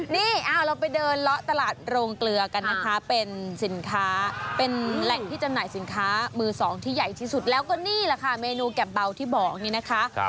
นี่เราไปเดินเลาะตลาดโรงเกลือกันนะคะเป็นสินค้าเป็นแหล่งที่จำหน่ายสินค้ามือสองที่ใหญ่ที่สุดแล้วก็นี่แหละค่ะเมนูแกบเบาที่บอกนี่นะคะ